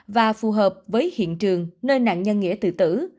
và phù hợp với hiện trường nơi nạn nhân nghĩa tử tử